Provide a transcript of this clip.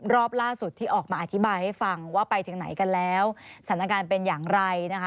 รอบล่าสุดที่ออกมาอธิบายให้ฟังว่าไปถึงไหนกันแล้วสถานการณ์เป็นอย่างไรนะคะ